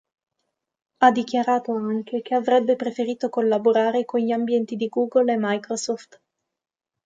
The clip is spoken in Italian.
Ha dichiarato anche che avrebbe preferito collaborare con gli ambienti di Google e Microsoft.